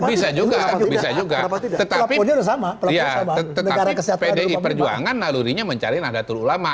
bisa juga bisa juga tetapi pdi perjuangan lalurinya mencari nahdlatul ulama